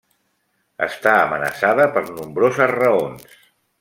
Està amenaçada per nombroses raons.